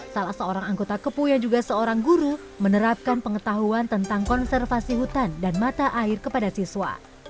salah seorang anggota kepuh yang juga seorang guru menerapkan pengetahuan tentang konservasi hutan dan mata air kepada siswa